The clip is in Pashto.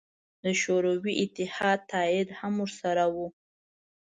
د شوروي اتحاد تایید هم ورسره و.